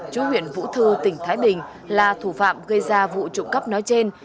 chú huyện vũ thư tỉnh thái bình là thủ phạm gây ra vụ trụng cấp nói trên